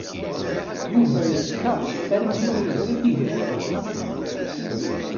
Yuba yeskeṛ armi ur yeẓri tigert.